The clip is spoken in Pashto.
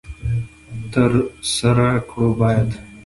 تر سره کړو باید.